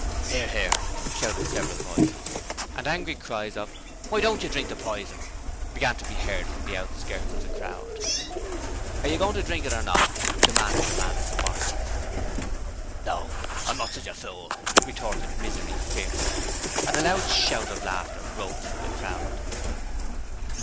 'Hear, Hear,' shouted several voices, and angry cries of 'Why don't you drink the poison?' began to be heard from the outskirts of the crowd. 'Are you going to drink it or not?' demanded the man with the bottle. 'No! I'm not such a fool!' retorted Misery, fiercely, and a loud shout of laughter broke from the crowd.'